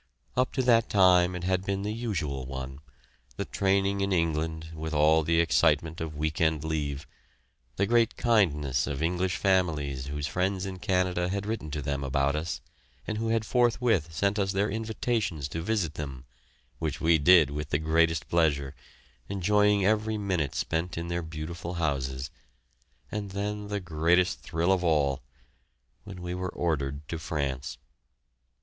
Up to that time it had been the usual one the training in England, with all the excitement of week end leave; the great kindness of English families whose friends in Canada had written to them about us, and who had forthwith sent us their invitations to visit them, which we did with the greatest pleasure, enjoying every minute spent in their beautiful houses; and then the greatest thrill of all when we were ordered to France.